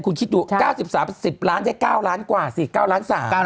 คุณคิดดู๙๓๐ล้านได้๙ล้านกว่าสิ๙ล้าน๓